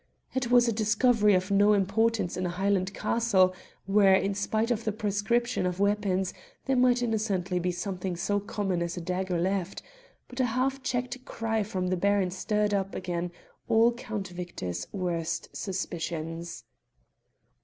It was a discovery of no importance in a Highland castle, where, in spite of the proscription of weapons, there might innocently be something so common as a dagger left; but a half checked cry from the Baron stirred up again all Count Victor's worst suspicions.